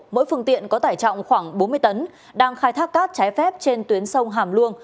mỗi phương tiện có tải trọng khoảng bốn mươi tấn đang khai thác cát trái phép trên tuyến sông hàm luông